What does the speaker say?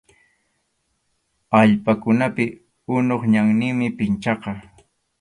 Allpakunapi unup ñanninmi pinchaqa.